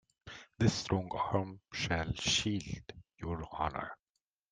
This strong arm shall shield your honor.